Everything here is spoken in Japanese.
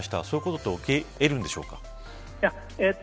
そういうことは起き得るんでしょうか。